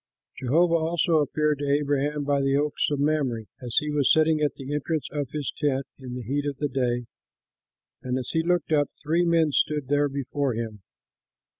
Jehovah also appeared to Abraham by the oaks of Mamre, as he was sitting at the entrance of his tent in the heat of the day; and, as he looked up, three men stood there before him.